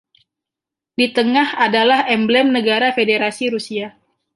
Di tengah adalah emblem negara Federasi Rusia.